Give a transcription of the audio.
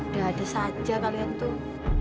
dada saja kalian tuh